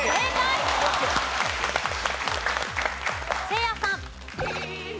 せいやさん。